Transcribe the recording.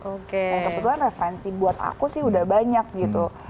oke yang kebetulan referensi buat aku sih udah banyak gitu